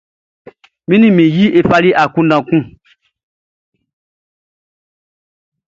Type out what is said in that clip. E ni mi yi e fali akunndan kun.